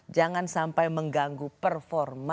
jangan sampai mengganggu performa